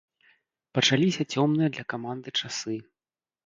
Пачаліся цёмныя для каманды часы.